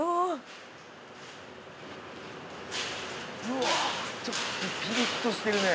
うわちょっとぴりっとしてるね。